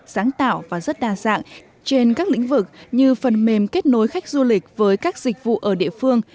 sáng tạo và rất đa dạng trên các lĩnh vực như phần mềm kết nối khách du lịch với các dịch vụ ở địa phương